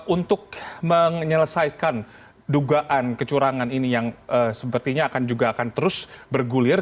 untuk menyelesaikan dugaan kecurangan ini yang sepertinya akan juga akan terus bergulir